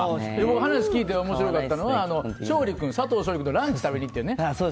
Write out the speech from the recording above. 話を聞いておもしろかったのは佐藤勝利君とランチ食べに行ってね。